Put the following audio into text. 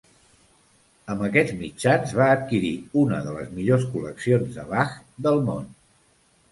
Amb aquests mitjans, va adquirir una de les millors col·leccions de Bach del món.